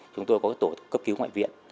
chúng tôi có tổ cấp cứu ngoại viện